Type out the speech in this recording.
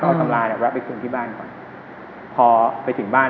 แล้วก็เอาซมลาร์เนี้ยวัดไปขึ้นที่บ้านก่อนพอไปถึงบ้าน